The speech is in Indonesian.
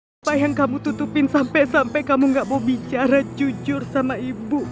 apa yang kamu tutupin sampai sampai kamu gak mau bicara jujur sama ibu